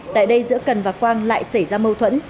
tại đây giữa cần và quang lại xảy ra mâu thuẫn